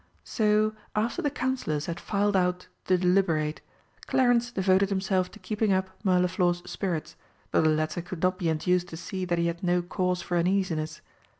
So, after the Councillors had filed out to deliberate, Clarence devoted himself to keeping up Mirliflor's spirits, though the latter could not be induced to see that he had no cause for uneasiness.